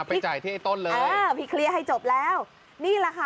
ไปจ่ายที่ไอ้ต้นเลยเออพี่เคลียร์ให้จบแล้วนี่แหละค่ะ